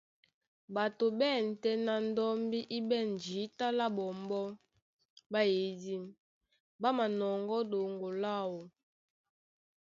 Ɓato ɓá ɛ̂n tɛ́ ná ndɔ́mbí í ɓɛ̂n jǐta lá ɓɔmbɔ́ ɓá eyìdí, ɓá manɔŋgɔ́ ɗoŋgo láō.